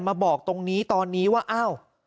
มาบอกตรงนี้ตอนนี้ว่าอ้าว